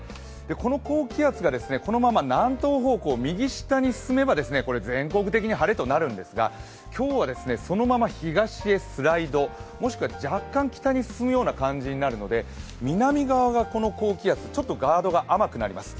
この高気圧がこのまま南東方向、右下に進めば全国的に晴れとなるんですが今日はそのまま東へスライド、もしくは若干北に進むような感じになるので南側がこの高気圧、ちょっとガードが甘くなります。